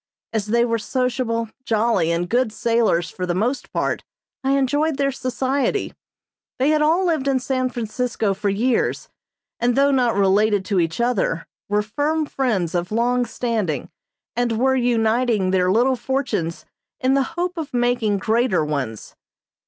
As they were sociable, jolly, and good sailors for the most part, I enjoyed their society. They had all lived in San Francisco for years, and though not related to each other, were firm friends of long standing and were uniting their little fortunes in the hope of making greater ones.